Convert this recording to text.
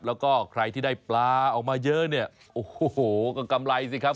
แล้วก็ใครที่ได้ปลาออกมาเยอะเนี่ยโอ้โหก็กำไรสิครับ